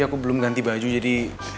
aku belum ganti baju jadi